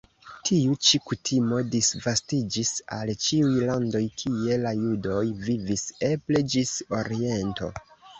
Tiu ĉi kutimo disvastiĝis al ĉiuj landoj, kie la judoj vivis, eble ĝis Oriento.